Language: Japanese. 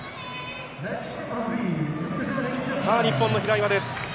さあ、日本の平岩です。